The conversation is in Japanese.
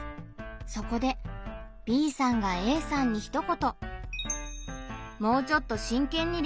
そこでＢさんがＡさんにひと言。